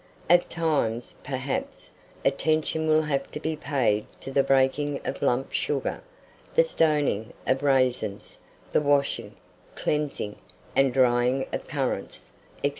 At times, perhaps, attention will have to be paid to the breaking of lump sugar, the stoning of raisins, the washing, cleansing, and drying of currants, &c.